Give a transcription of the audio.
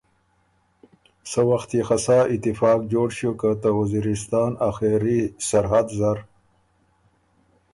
سۀ وخت يې خه سا اتفاق جوړ ݭیوک که ته وزیرستان آخېري سرحد زر